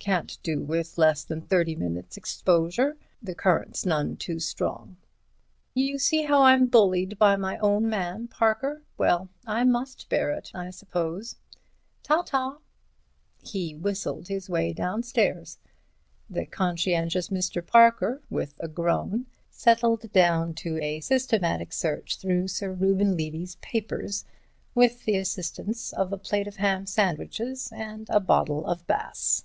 Can't do with less than thirty minutes' exposure. The current's none too strong." "You see how I'm bullied by my own man, Parker? Well, I must bear it, I suppose. Ta ta!" He whistled his way downstairs. The conscientious Mr. Parker, with a groan, settled down to a systematic search through Sir Reuben Levy's papers, with the assistance of a plate of ham sandwiches and a bottle of Bass.